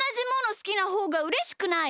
すきなほうがうれしくない？